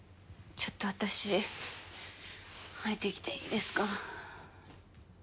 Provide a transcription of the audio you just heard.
ちょっと私吐いてきていいですか？